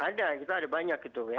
ada kita ada banyak gitu ya